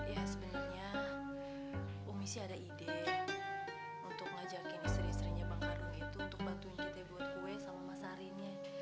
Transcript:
ya sebenarnya umi sih ada ide untuk ngajakin istrinya bang karung itu untuk bantuin kita buat kue sama mas arinya